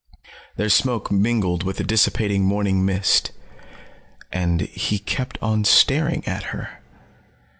Their smoke mingled with the dissipating morning mist. And he kept on staring at her.